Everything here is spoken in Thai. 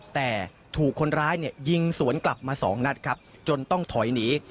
แต่ถูกคนร้ายเนี่ยยิงสวนกลับมาสองนัดครับจนต้องถอยหนี